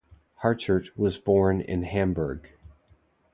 Hartert was born in Hamburg.